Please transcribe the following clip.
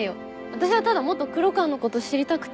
私はただもっと黒川のこと知りたくて。